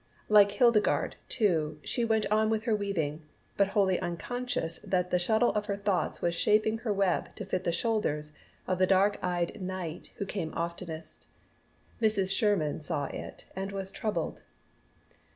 Like Hildegarde, too, she went on with her weaving, but wholly unconscious that the shuttle of her thoughts was shaping her web to fit the shoulders of the dark eyed knight who came oftenest. Mrs. Sherman saw it and was troubled.